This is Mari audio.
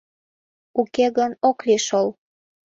Уке гын, ок лий шол